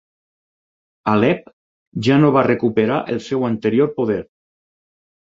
Alep ja no va recuperar el seu anterior poder.